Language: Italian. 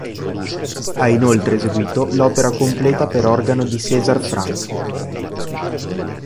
Ha inoltre eseguito l'opera completa per organo di César Franck.